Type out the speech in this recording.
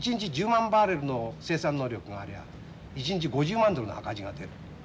１０万バーレルの生産能力がありゃ一日５０万ドルの赤字が出る。